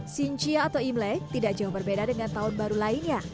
xinjia atau imlek tidak jauh berbeda dengan tahun baru lainnya